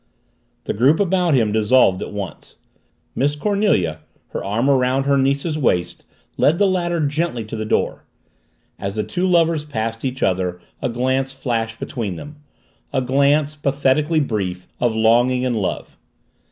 The group about him dissolved at once. Miss Cornelia, her arm around her niece's waist, led the latter gently to the door. As the two lovers passed each other a glance flashed between them a glance, pathetically brief, of longing and love.